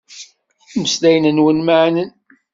Imeslayen-nwen meɛnen.